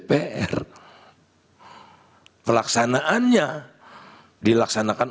karena kan cesanya mulai miskin gra imposs